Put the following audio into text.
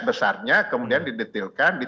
besarnya kemudian didetailkan di